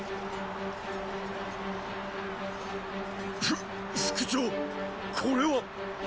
ふっ副長これは。